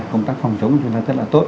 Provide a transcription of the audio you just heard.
công tác phòng chống của chúng ta rất là tốt